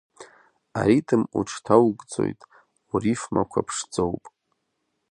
Аритм уҽҭаугӡоит, урифмақәа ԥшӡоуп.